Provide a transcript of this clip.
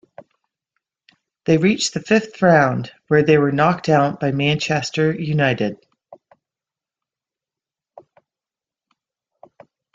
They reached the Fifth Round, where they were knocked out by Manchester United.